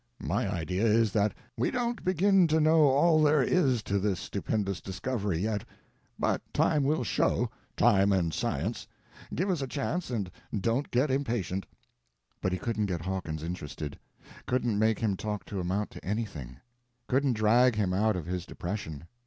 My idea is that we don't begin to know all there is to this stupendous discovery yet. But time will show—time and science—give us a chance, and don't get impatient." But he couldn't get Hawkins interested; couldn't make him talk to amount to anything; couldn't drag him out of his depression.